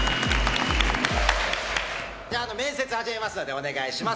面接始めますのでお願いします。